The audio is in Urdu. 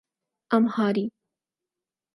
امہاری